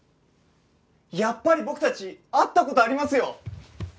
やっぱり僕たち会った事ありますよ！